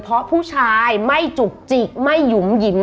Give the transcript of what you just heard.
เพราะผู้ชายไม่จุกจิกไม่หยุมหยิม